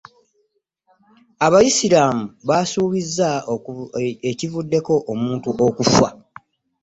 Abayisiraamu baabuzizza ekivuddeko omuntu okufa.